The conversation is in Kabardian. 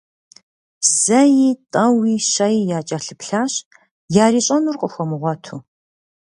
Зэи, тӏэуи, щэи якӏэлъыплъащ, ярищӏэнур къыхуэмыгъуэту.